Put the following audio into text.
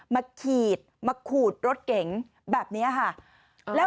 มาขีดมาขูดรถเก๋งแบบนี้ค่ะ